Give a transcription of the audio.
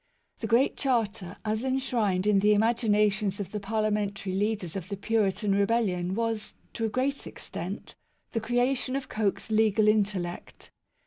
The Great Charter, as enshrined in the imaginations of the parliamentary leaders of the Puritan Rebellion was, to a great extent, the creation of Coke's legal intellect.